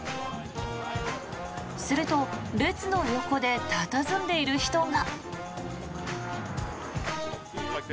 すると列の横で佇んでいる人が。